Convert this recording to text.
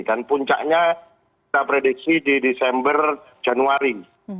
dan puncaknya kita prediksi di desember januari